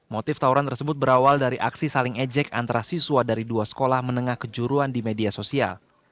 motif tauran tersebut berawal dari aksi saling ejek antara siswa dari dua sekolah menengah kejuruan di media sosial